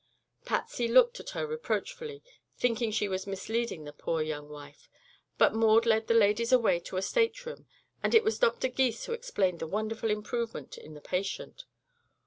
Patsy looked at her reproachfully, thinking she was misleading the poor young wife, but Maud led the ladies away to a stateroom and it was Dr. Gys who explained the wonderful improvement in the patient.